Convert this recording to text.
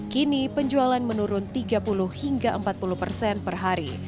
kini penjualan menurun tiga puluh hingga empat puluh persen per hari